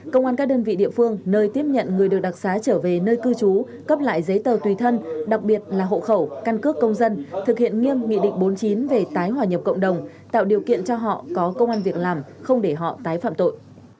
công an các đơn vị địa phương nơi tiếp nhận người được đặc xá trở về nơi cư trú cấp lại giấy tờ tùy thân đặc biệt là hộ khẩu căn cước công dân thực hiện nghiêm nghị định bốn mươi chín về tái hòa nhập cộng đồng tạo điều kiện cho họ có công an việc làm không để họ tái phạm tội